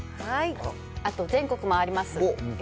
あと、全国回ります。